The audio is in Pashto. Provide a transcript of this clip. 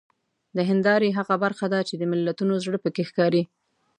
د هیندارې هغه برخه ده چې د ملتونو زړه پکې ښکاري.